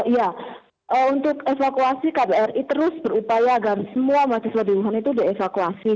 ya untuk evakuasi kbri terus berupaya agar semua mahasiswa di wuhan itu dievakuasi